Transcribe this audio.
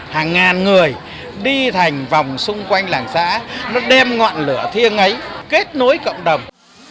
hàng ngàn người đi thành vòng xung quanh làng xã nó đem ngọn lửa thiêng ấy kết nối cộng đồng